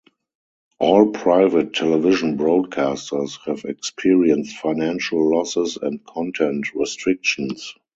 All private television broadcasters have experienced financial losses and content restrictions.